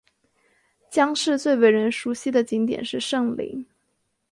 姜市最为人熟悉的景点是圣陵。